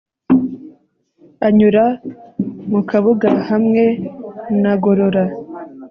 a nyura mu kabuga hamwe na gorora